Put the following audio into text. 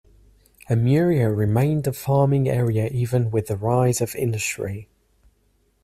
Amurrio remained a farming area even with the rise of industry.